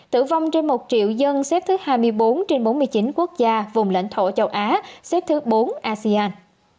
tử vong trên một triệu dân xếp thứ hai mươi bốn trên bốn mươi chín quốc gia vùng lãnh thổ châu á xếp thứ bốn asean